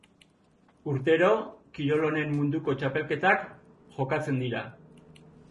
Urtero, kirol honen munduko txapelketak jokatzen dira.